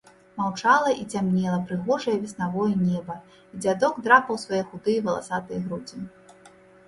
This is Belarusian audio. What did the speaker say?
Маўчала і цямнела прыгожае веснавое неба, і дзядок драпаў свае худыя валасатыя грудзі.